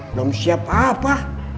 belum siap apa